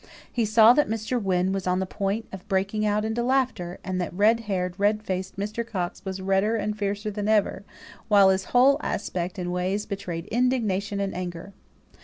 He saw that Mr. Wynne was on the point of breaking out into laughter, and that red haired, red faced Mr. Coxe was redder and fiercer than ever, while his whole aspect and ways betrayed indignation and anger.